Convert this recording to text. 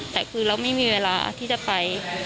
แต่คือเราไม่มีเวลาที่จะไป